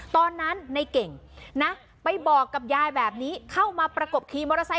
ตอนนั้นในเก่งนะไปบอกกับยายแบบนี้เข้ามาประกบขี่มอเตอร์ไซค